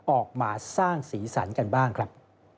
ออกมาสร้างสีสันกันบ้างครับ